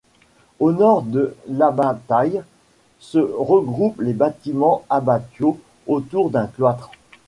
Au nord de l'abbatiale, se regroupent les bâtiments abbatiaux, autour d'un cloître.